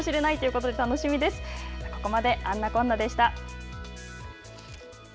ここまで「あんなこんな」でした。